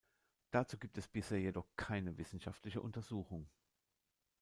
Dazu gibt es bisher jedoch keine wissenschaftliche Untersuchung.